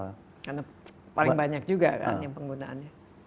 karena paling banyak juga kan